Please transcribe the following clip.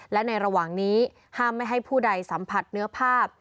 และในระหว่างนี้ห้ามไม่ให้ผู้ใดสัมผัสเนื้อภาพ